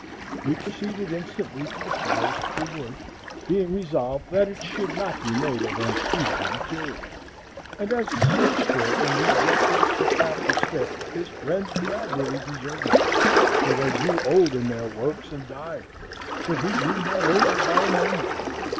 He proceeded instantly to the forest for wood, being resolved that it should not be made of unsuitable material; and as he searched for and rejected stick after stick, his friends gradually deserted him, for they grew old in their works and died, but he grew not older by a moment.